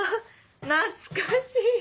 懐かしい！